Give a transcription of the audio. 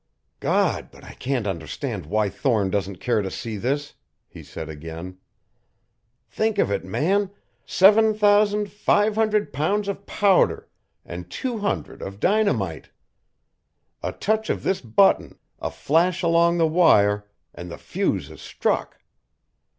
"God, but I can't understand why Thorne doesn't care to see this," he said again. "Think of it, man seven thousand five hundred pounds of powder and two hundred of dynamite! A touch of this button, a flash along the wire, and the fuse is struck.